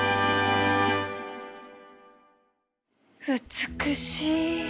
美しい